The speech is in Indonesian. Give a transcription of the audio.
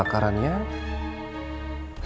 saya harus mencari pelaku